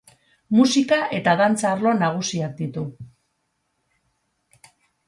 Musika eta dantza arlo nagusiak ditu.